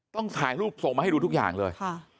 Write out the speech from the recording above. ถ่ายรูปส่งมาให้ดูทุกอย่างเลย